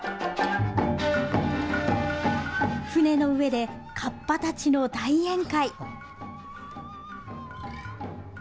舟の上でカッパたちの大宴会。